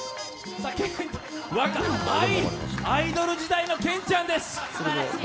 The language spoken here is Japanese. アイドル時代の健ちゃんです。